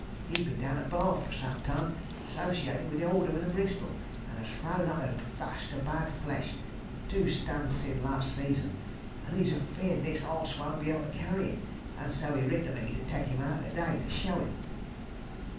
He's been down at Bath for some time 'sociatin' with the aldermen o' Bristol and has thrown up a vast o' bad flesh two stun' sin' last season and he's afeared this oss won't be able to carry 'im, and so he writ to me to take 'im out to day, to show 'im."